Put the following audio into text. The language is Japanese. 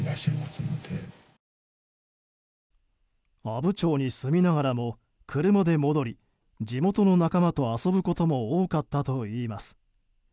阿武町に住みながらも車で戻り地元の仲間と遊ぶことも多かったといいます。